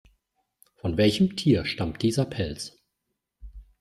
Von welchem Tier stammt dieser Pelz?